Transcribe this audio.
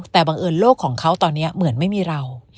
แต่บังเอิญโลกของเขาตอนนี้เหมือนไม่มีเรา